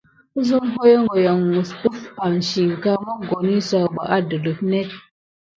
Əzeme hogohokio misapay ɗe kubelā mokoni sawuba va adelif net.